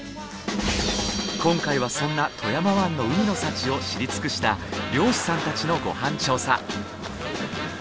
今回はそんな富山湾の海の幸を知り尽くした漁師さんたちのご飯調査。